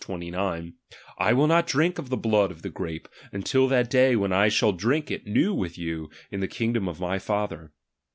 29) :/ mil not drink of the blood of the grape, until tJutt day when I shall drink it new with you in the kingdom of my Father.